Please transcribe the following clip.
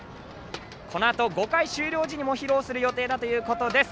このあと５回終了時にも披露する予定だということです。